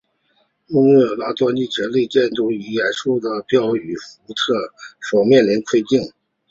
穆拉利竭尽全力地监督并以严厉的话语警示福特所面临的困境。